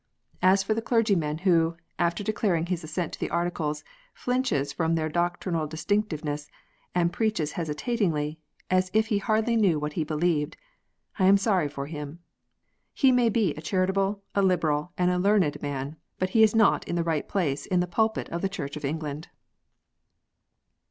As for the clergyman who, after declaring his assent to the Articles, flinches from their doctrinal distinctness, and preaches hesitatingly, as if he hardly knew what he believed, I am sorry for him. He may be a charitable, a liberal, and a learned man, but he is not in the right place in the pulpit of the Church of England.